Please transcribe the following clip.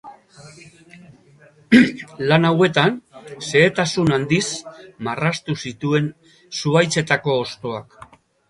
Lan hauetan xehetasun handiz marraztu zituen zuhaitzetako hostoak.